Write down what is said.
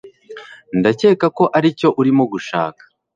ndakeka ko aricyo urimo gushaka